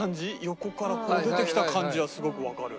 横からこう出てきた感じはすごくわかる。